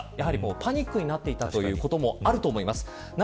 パニックになっていたということもあると思います。